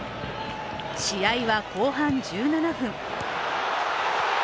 試合は後半１７分。